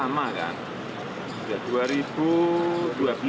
ketika ini sudah lama kan